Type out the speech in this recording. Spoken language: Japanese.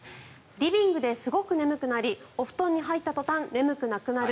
リビングですごく眠くなりお布団に入った途端眠くなくなる。